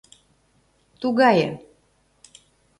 — Тугае.